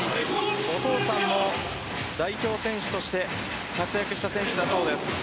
お父さんも代表選手として活躍した選手だそうです。